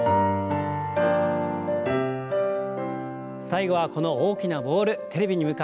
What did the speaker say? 最後はこの大きなボールテレビに向かって投げてみましょう。